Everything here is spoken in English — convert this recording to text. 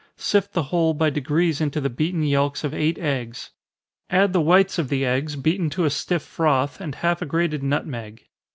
Sift the whole by degrees into the beaten yelks of eight eggs. Add the whites of the eggs, beaten to a stiff froth, and half a grated nutmeg.